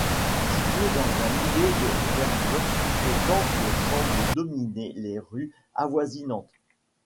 Situé dans un îlot de verdure, le temple semble dominer les rues avoisinantes.